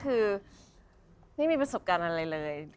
คือไม่มีประสบการณ์อะไรเลย